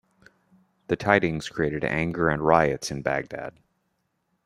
The tidings created anger and riots in Baghdad.